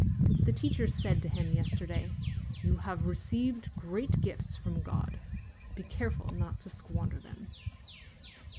The teacher said to him yesterday : "You have received great gifts from God. Be care ful not to squander them."